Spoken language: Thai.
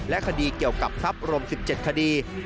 คดีเกี่ยวกับทรัพย์รวม๑๗คดี